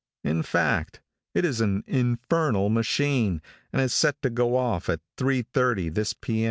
in fact is an 'infernal machine,' and is set to go off at 3:30 this P.